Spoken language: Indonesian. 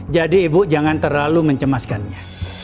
jadi ibu jangan terlalu mencemaskannya